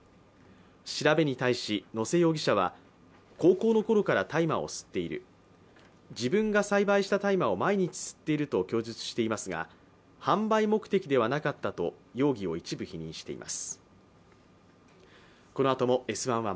調べに対し野瀬容疑者は、高校のころから大麻を吸っている自分が栽培した大麻を毎日吸っていると供述していますが販売目的ではなかったと容疑を一部否認しています。